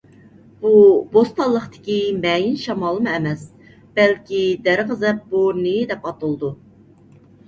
بۇ بوستانلىقتىكى مەيىن شامالمۇ ئەمەس. بەلكى «دەرغەزەپ بورىنى» دەپ ئاتىلىدۇ.